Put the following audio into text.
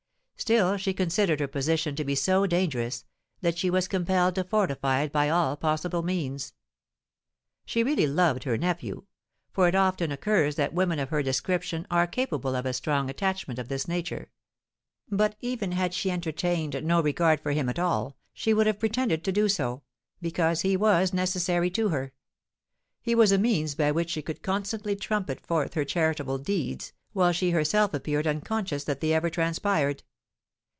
Still she considered her position to be so dangerous, that she was compelled to fortify it by all possible means. She really loved her nephew—for it often occurs that women of her description are capable of a strong attachment of this nature:—but even had she entertained no regard for him at all, she would have pretended to do so—because he was necessary to her. He was a means by which she could constantly trumpet forth her "charitable deeds," while she herself appeared unconscious that they ever transpired.